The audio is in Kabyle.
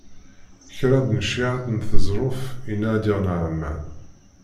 Kraḍ n cciεat n teẓruft i Nadir Naɛman.